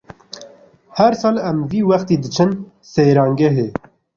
Her sal em vî wextî diçin seyrangehê.